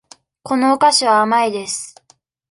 このお菓子は甘いです。